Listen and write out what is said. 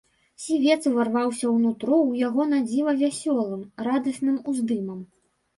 Сівец уварваўся ў нутро ў яго надзіва вясёлым, радасным уздымам.